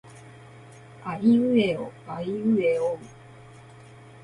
あいうえおあいえおう。